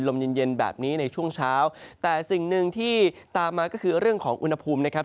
เย็นเย็นแบบนี้ในช่วงเช้าแต่สิ่งหนึ่งที่ตามมาก็คือเรื่องของอุณหภูมินะครับ